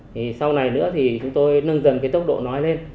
thì sau này nữa thì chúng tôi nâng dần cái tốc độ nói lên